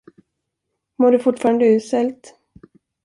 Mår du fortfarande uselt?